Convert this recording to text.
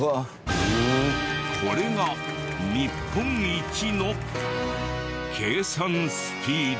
これが日本一の計算スピード。